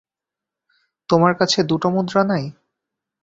তোমার কাছে দুটো মুদ্রা নাই।